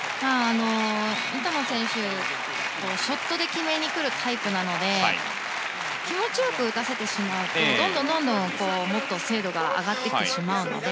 インタノン選手ショットで決めに来るタイプなので気持ちよく打たせてしまうとどんどん、もっと精度が上がっていってしまうので。